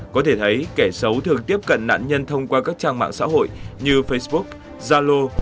có thể thấy kẻ xấu thường tiếp cận nạn nhân thông qua các trang mạng xã hội như facebook zalo